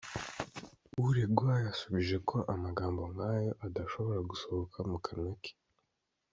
Uregwa yasubije ko amagambo nk’ayo adashobora gusohoka mu kanwa ke.